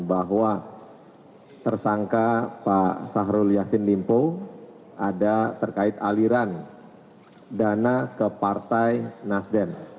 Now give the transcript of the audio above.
bahwa tersangka pak sahrul yassin limpo ada terkait aliran dana ke partai nasdem